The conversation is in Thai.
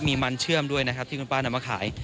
มีมันเชื่อมด้วยนะครับที่คุณป้านำมาขาย